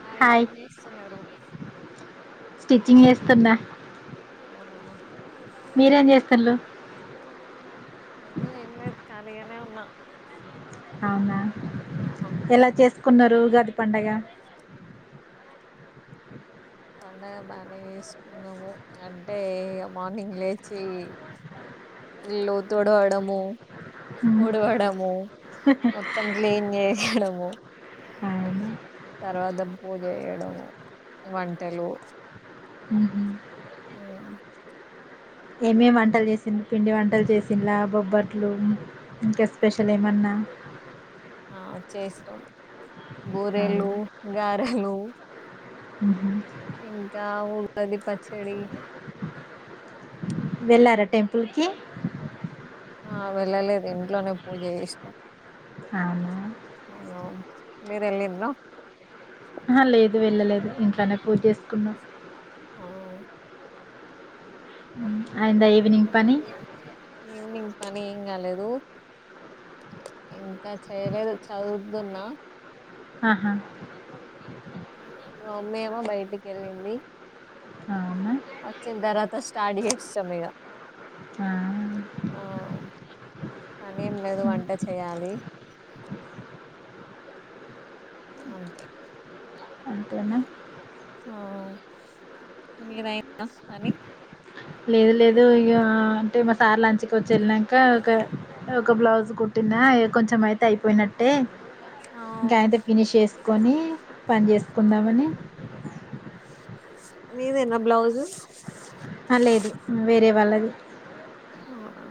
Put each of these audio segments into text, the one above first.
Hi ఏం చేస్తున్నారు stitching చేస్తున్నా అవునా మీరేం చేస్తాళ్లు ఎం లేదు కాలి ఏ ఉన్నా అవునా ఆ ఎలా చేసుకున్నారు రహుగాది పండగ పండగ బాగా వేసుకున్నాము అంటే మార్నింగ్ లేచి ఇల్లు తుడవడము ఉమ్, వుడవడము మొత్తం క్లీన్ హలో అవునా తర్వాత పూజ చేయడం వంటలు ఉహుం. ఉమ్ ఏమేమి వంటలు చేసిన పిండి వంటలు చేసినలా బొబ్బట్లు ఇంకా స్పెషల్ ఏమన్నా ఆ చేస్తాము అవునా బూరెలు గారెలు ఉహుం. ఇంకా ఉగాది పచ్చడి వెళ్ళారా టెంపుల్కి ఆ వెళ్ళలేదు ఇంట్లోనే పూజ చేసినాం అవునా ఆ మీరేలిండ్ల ఆ లేదు వెళ్ళలేదు ఇంట్లోనే పూజి చేసుకున్నాం అవు ఉమ్, అయిందా ఈవినింగ్ పని ఈవెనింగ్ పని ఏం కాలేదు ఇంకా చేయలేదు చదువుతున్నా ఆహా మా అమ్మ ఎమొ బయటికి వెళ్ళింది అవునా వచ్చిన తర్వాత స్టార్ట్ చేస్తాం ఇక ఆ, ఆ పని ఏం లేదు వంట చేయాలి అంతే అంతేనా ఆ మీరయిందా పని లేదు లేదు ఇగ అంటే మా సార్ లంచ్కి వచ్చి వెళ్ళినాక ఒక ఒక బ్లౌజ్ కుట్టిన ఇ కొంచెం అయితే అయిపోయినట్టే ఆ గయంత ఫినిష్ చేసి కొనీ పని ఆ చేసుకుందామని మీది ఎన్నో బ్లౌజు లేదు వేరే వాళ్లది అవునా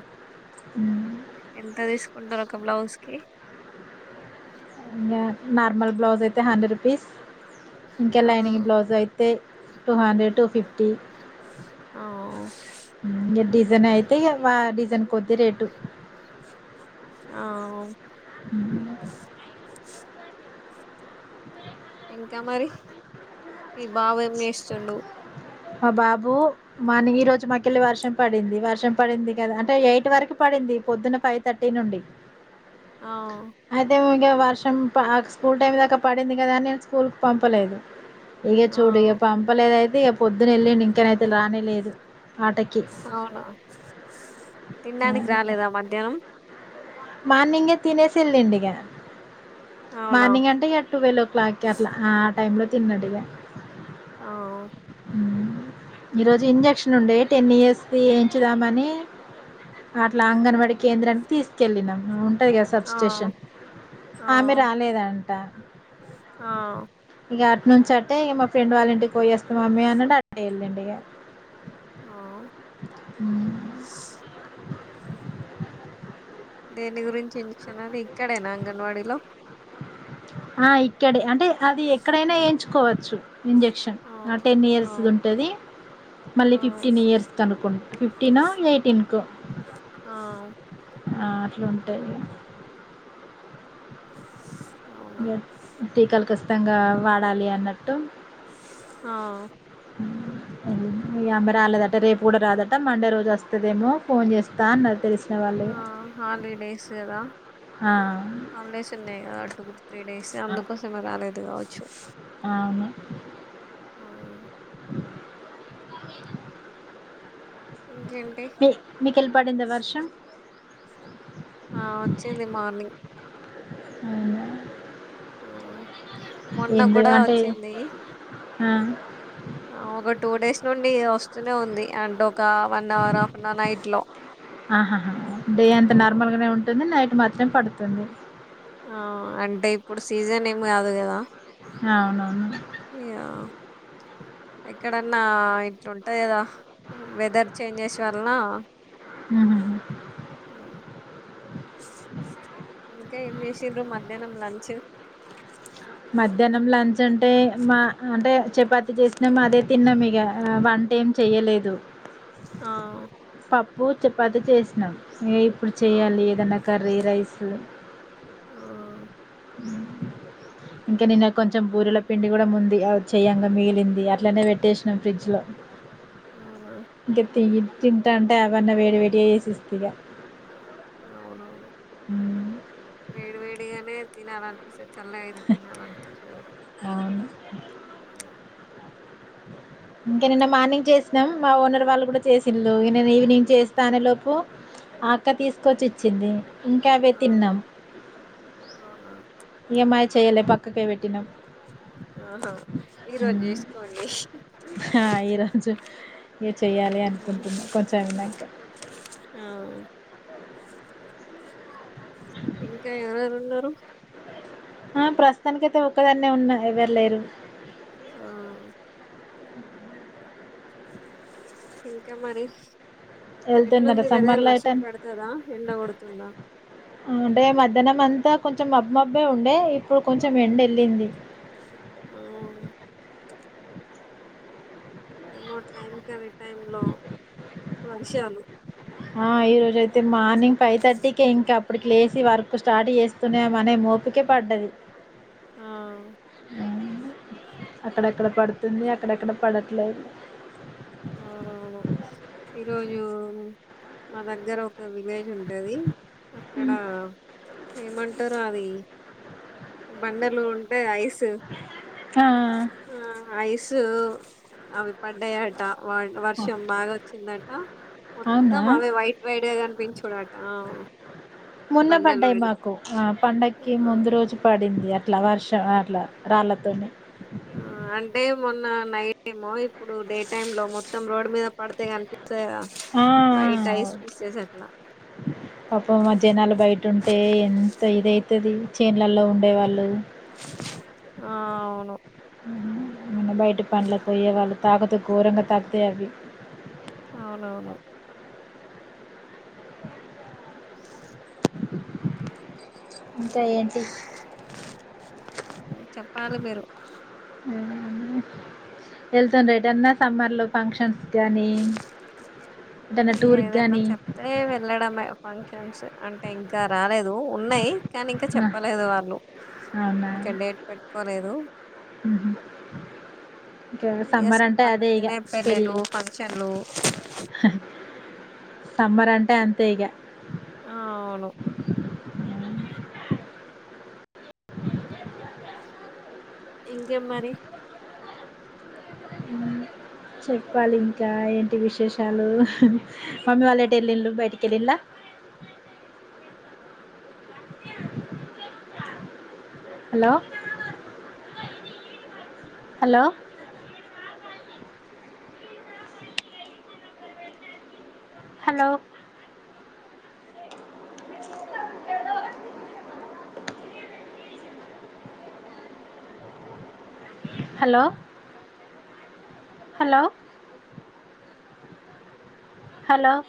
ఎంత తీసుకుంటారు ఒక బ్లౌజ్ కి ఇంకా నార్మల్ బ్లౌజ్ అయితే హండ్రెడ్ రూపీస్ ఇంకా ఆ లైనింగ్ బ్లౌజ్ అయితే టూ హండ్రెడ్ టూ ఫిఫ్టీ ఆ ఇక డిజైన్ అయితే ఇ వా డిజైన్ కొద్ది రేటు ఆ ఇంకా మరి ఈ బావ ఏం చేస్తుండు బాబు మని ఈ రోజు మాకెళ్ళి వర్షం పడింది వర్షం పడింది కదా అంటే ఎయిట్ వరకు పడింది పొద్దున్న ఫైవ్ థర్టీ నుండి ఆ ఇంకా వర్షం స్కూల్ టైమ్ దాకా పడింది కదా అని నేను స్కూల్కి పంపలేదు ఇక ఆ చూడు ఇక పంపలేదైతే అ ఇక పొద్దున వెళ్ళండి ఇంకనైయితే రానిలేదు అవునా తినడానికి రాలేదా మధ్యాహ్నం మార్నింగే తినేసే వెళ్లిండు అవునా మార్నింగ్ అంటే ఎట్ ట్వెల్వ్ ఓ క్లాక్ అట్లా టైంలో తిన్నడిగా ఆ ఈరోజు ఇంజక్షన్ ఉండేవి టెన్ ఇయర్స్ ఎంచుదామని అట్లా అంగన్వాడీ కేంద్రానికి తీసు కెళ్ళినం అవును క ఆ సబ్స్టేషన్ ఆ ఆమె రాలేదంట ఆ ఇగ నుంచ అట్టే ఇక మా ఫ్రెండ్ వాళ్ళ ఇంటికి పోయేస్తాం మమ్మ అన్నడు అట్నే వెళ్ళండి ఇక ఆ హ దేని గురించి ఇంజక్షన్ అది ఇక్కడేనా అంగన్వాడీలో ఆ ఇక్కడే అంటే అది ఎక్కడైనా ఎయించుకోవచ్చు ఇంజక్షన్ ఆ టెన్ ఆ ఇయర్స్ ది ఉంటుంది ఆ మళ్ళీ ఫిఫ్టీన్ ఇయర్స్ కనుక్కుంట ఫిఫ్టీను ఎయిటీన్ గా ఆ ఆ అట్లా ఉంటది అవునా [unintelligible] త్తంగా వాడాలి అన్నట్టు ఆ మీ అమ్మ రాలేదట రేపు కూడా రాదట మండే రోజు వస్తదేమో ఫోన్ చేస్తా అన్నది తెల్స్ ఆ హాలిడేస్ కదా ఆ హాలిడేస్ ఉన్నాయి కదా టూ త్రీ డేస్ అ అందుకోసమే రాలేదు కావచ్చు. అవును అవును ఇంకేంటి మి మీకెళ్ళి పడింద వర్షం ఆ వచ్చింది మార్నింగ్ అవునా ఆ మొన్న ఏందో కూడా అంటే వచ్చింది. ఆ ఆ ఒక టూ డేస్ నుండి వస్తూనే ఉంది, అండ్ ఒక one hour half an hour night లో ఆహాహా డే అంత నార్మల్ గానే ఉంటుంది నైట్ మాత్రం పడుతుంది. ఆ అంటే ఇప్పుడు సీజన్ ఏమి కాదు కదా అవునవును ఇగా ఎక్కడన్నా ఇట్లుంటాది కదా వెదర్ చేంజెస్ వలన హుహు. ఇంకా ఏం చేసిర్రు మధ్యాహ్నం లంచ్ మధ్యాహ్నం లంచ్ అంటే మా అంటే చపాతి చేసినాము అదే తిన్నాము ఇగా వంట ఏమ్ చేయలేదు. ఆ పప్పు, చపాతి చేసినా ఏయ్ ఇప్పుడు ఆ చేయ్యాలి ఏదన్నా కర్రీ రైస్ ఆ ఇంకా నిన్న కొంచెం బూరెల పిండి కూడా ముంది అ చెయ్యంగా మిగిలింది అట్లనే పెట్టేసినాం ఫ్రిడ్జ్లో అవునా ఇగా తియ్యి తింటాంటే అవన్నా వేడి వేడిగ చేసిస్తి ఇగా అవునవును వేడి వేడిగానే తినాలనిపిసది సల్లగాయిన తినాలనిపించదు అవును. ఇంక నిన్న మార్నింగ్ చేసినాం మా ఓనర్ వాళ్ళు కూడా చేసిళ్లు నేను ఈవినింగ్ చేస్తా అనే లోపు ఆ అక్క తీసుకొచ్చి ఇచ్చింది. ఇంకా అవే ఆ తిన్నం అవునా ఇగా మాద్ చేయ్యలే పక్కకే పెట్టినాం ఆహా ఈరోజు ఉమ్ చేసుకోండి. ఆ ఈరోజు ఇగ చెయ్యాలి ఉమ్, అనుకుంటున్నా కొంచెం అయిన్నాక అ ఇంకా ఎవర ఎరు ఉన్నారు ఆ ప్రస్తుతానినికిఐతే ఒక్కదన్నే ఉన్నా ఎవరు లేరు ఆ అ ఇంకా మరి వెళ్తున్నారా ఎట్లుంది సమ్మర్ వెదర్ లో వర్షం అయిటని పడుతదా ఎండ కొడుతుందా అంటే మధ్యాహ్నం అంతా. కొంచెం మబ్బు మబ్బే ఉండే ఇప్పుడు కొంచెం ఎండ వెళ్ళింది. ఆ రేమో టైంకి అనే టై లో వర్షాలు ఆ ఈ రోజు అయితే మార్నింగ్ ఫైవ్ థర్టీకే ఇంకా అప్పటికి లేచ వర్క్ స్టార్ట్ చేస్తునేమనే మోపుకే పడ్డది. ఆ అక్కడెక్కడ పడుతుంది అక్కడెక్కడ పడట్లేదు అవువును ఈరోజు మా దగ్గర ఒక ఒక విలేజ్ ఉంటది అక్కడ ఏమంటారు అది బండలు ఉంటే ఐస్ ఆ స్ అవి పడ్డయాట వర్షం బాగా వచ్చిందట అవునా మొత్తం అవే వైట్ వైట్ కనిపించడుట మొన్న బండలు పడ్డాయి అడి మాకు ఆ పండక్కి ముందు రోజు పడింది అట్లా వర్షం అట్లా రాళ్ళతోనే ఆ అంటే మొన్న నై ఏమో ఇప్పుడు డే టైమ్ లో మొత్తం రోడ్ మీద పడితే కనిపింది ఆ వాయిట్ ఆఐస్ పిస నా పాప మా జనాలు బయట ఉంటే ఇద అవుతుంది చేన్లలో ఉండేవాళ్ళు ఆ అవును మన్న బయట పండ్లకు పోయేవాళ్ళు తాకుతూ ఘోరంగా తాగితే అవి అవునవును ఇంకా ఏంటి చెప్పాలి మీరు వెళ్తుండ రేటన్న సమ్మర్లో ఫంక్షన్స్ నీ ఇ ఏదన్నా చెప్తే వెళ్ళడమే ఫంక్షన్స్ అంటే ఇంకా రాలేదు ఉన్నాయి కానీ ఇంకా చెప్పలేదు వాళ్ళు ఇంకా అవునా డేట్ పెట్టి కొరదు ఇంకా ఎస్ సమ్మర్ అంటే అదే ఇగ అంటేనే పెళ్లిళ్లు పెళ్ళి ఫంక్షన్లు సమ్మర్ అంటే అంతే ఇగ ఆవును ఇంకేమ్ మరి చెప్పాలి ఇంకా ఏంటి విశేషాలు మమ్మీ వాళ్ళు ఎటు వెళ్లిళ్లు బయటికి వెల్లిల్లా hello hello hello hello hello hello